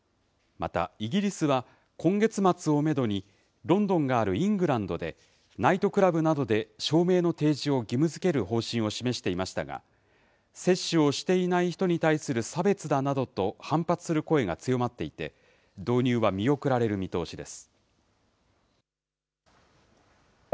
またイギリスは、今月末をメドにロンドンがあるイングランドで、ナイトクラブなどで証明の提示を義務づける方針を示していましたが、接種をしていない人に対する差別だなどと反発する声が強まっていて、導入は見送られる見通しです。